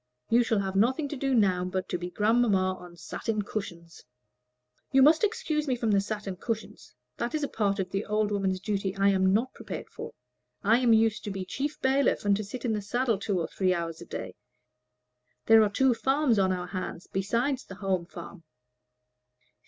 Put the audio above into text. You shall have nothing to do now but to be grandmamma on satin cushions." "You must excuse me from the satin cushions. That is a part of the old woman's duty I am not prepared for. I am used to be chief bailiff, and to sit in the saddle two or three hours every day. There are two farms on our hands besides the Home Farm."